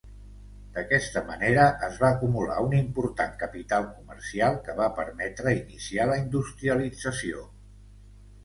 D'aquesta manera es va acumular un important capital comercial que va permetre iniciar la industrialització.